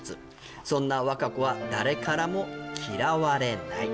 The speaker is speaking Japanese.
「そんな和歌子は誰からも」「嫌われない」